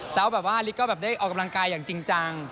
แบบว่าลิกก็แบบได้ออกกำลังกายอย่างจริงจัง